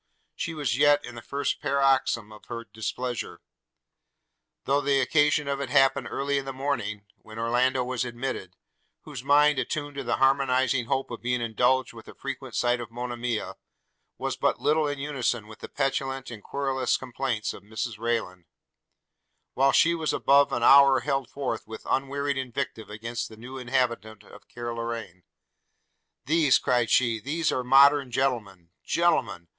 She was yet in the first paroxysm of her displeasure, though the occasion of it happened early in the morning, when Orlando was admitted; whose mind, attuned to the harmonizing hope of being indulged with the frequent sight of Monimia, was but little in unison with the petulant and querulous complaints of Mrs Rayland; while she for above an hour held forth with unwearied invective against the new inhabitant of Carloraine. 'These,' cried she, 'these are modern gentlemen! – Gentlemen!